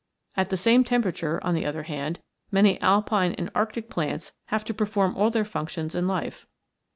At the same temperature, on the other hand, many alpine and arctic plants have to perform all their functions in life.